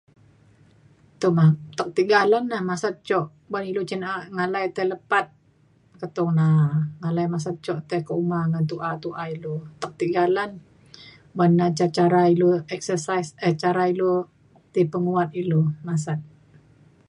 Tuma, tek tiga lan na masat cuk ban ilu cen na'a malai tai lepat ke tona malai masat cuk tai ke uma ngan tu'a tu'a ilu. Atek tiga lan ban e ca cara ilu exercise eh cara ilu ti penguat ilu masat.